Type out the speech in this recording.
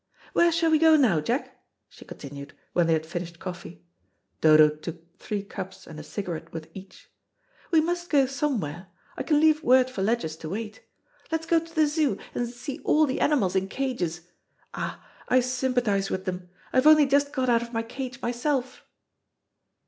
"Where shall we go now, Jack?" she continued, when they had finished coffee Dodo took three cups and a cigarette with each. "We must go somewhere. I can leave word for Ledgers to wait. Let's go to the Zoo and see all the animals in cages. Ah, I sympathise with them. I have only just got out of my cage myself."